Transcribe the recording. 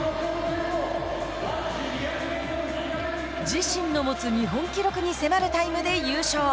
自身の持つ日本記録に迫るタイムで優勝。